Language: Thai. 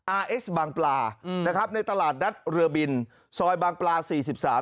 เอ็กซ์บางปลาอืมนะครับในตลาดนัดเรือบินซอยบางปลาสี่สิบสาม